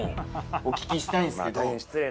お聞きしたいんですけど。